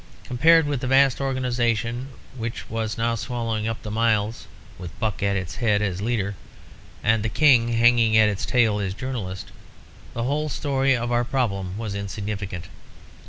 Compared with the vast organisation which was now swallowing up the miles, with Buck at its head as leader, and the King hanging at its tail as journalist, the whole story of our problem was insignificant.